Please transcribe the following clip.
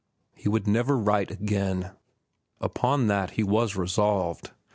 He would never write again. Upon that he was resolved.